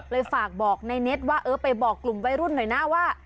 ฝากบอกในเน็ตว่าเออไปบอกกลุ่มวัยรุ่นหน่อยนะว่า